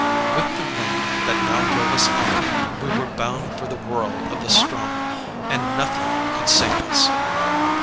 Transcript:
With the wind that now drove us on, we were bound for the whirl of the Ström, and nothing could save us!